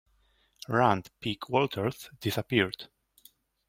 Rand "Pig" Walters disappeared.